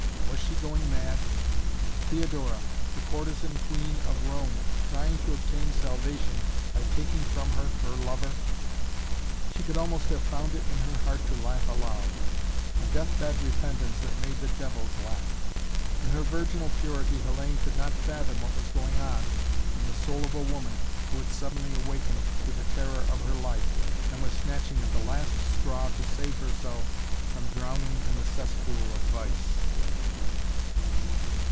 Was she going mad? Theodora, the courtesan queen of Rome, trying to obtain salvation by taking from her her lover? She could almost have found it in her heart to laugh aloud. A death bed repentance that made the devils laugh! In her virginal purity Hellayne could not fathom what was going on in the soul of a woman who had suddenly awakened to the terror of her life and was snatching at the last straw to save herself from drowning in the cesspool of vice.